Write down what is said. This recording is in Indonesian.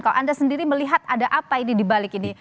kalau anda sendiri melihat ada apa ini dibalik ini